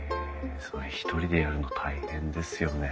それ一人でやるの大変ですよね。